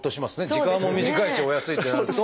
時間も短いしお安いってなると。